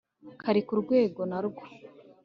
kari kumwe na bwo